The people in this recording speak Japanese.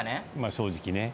正直ね。